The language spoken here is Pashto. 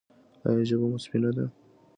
ایا ژبه مو سپینه ده؟